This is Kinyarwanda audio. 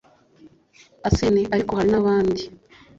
arsène. ariko hari n‘abandi.